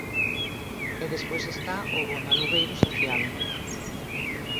E despois está o bono alugueiro social.